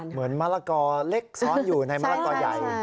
มะละกอเล็กซ้อนอยู่ในมะละกอใหญ่